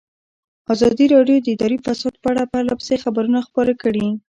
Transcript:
ازادي راډیو د اداري فساد په اړه پرله پسې خبرونه خپاره کړي.